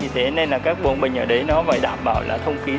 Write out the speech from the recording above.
thế nên là các bộ bệnh ở đấy nó phải đảm bảo là thông ký